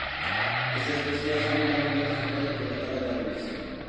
Esta especie ha sido gravemente afectada por la tala de árboles.